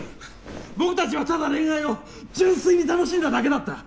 僕たちはただ恋愛を純粋に楽しんだだけだった。